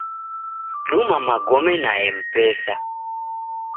Duma magome na Mpesa.